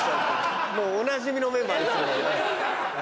もうおなじみのメンバーですけどね。